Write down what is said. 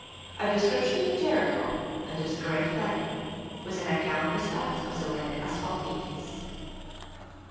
A Description Of Jericho, And Of The Great Plain; With An Account Besides Of The Lake Asphaltites.